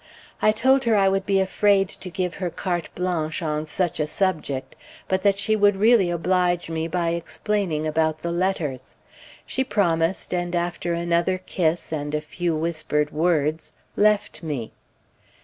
I told her I would be afraid to give her carte blanche on such a subject; but that she would really oblige me by explaining about the letters. She promised, and after another kiss, and a few whispered words, left me.